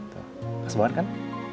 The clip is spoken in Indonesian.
keras banget kan